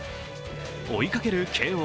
追いかける慶応。